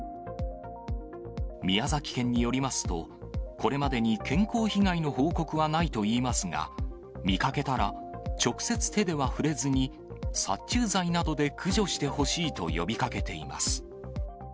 宮崎県によりますと、これまでに健康被害の報告はないといいますが、見かけたら、直接手では触れずに、殺虫剤などで駆除してほしいと呼びかけています。